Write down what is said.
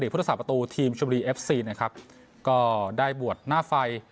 พุทธศาสประตูทีมชมบุรีเอฟซีนะครับก็ได้บวชหน้าไฟ